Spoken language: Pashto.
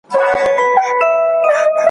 د زاړه دښمن قصرونه ,